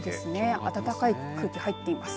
暖かい空気入っています。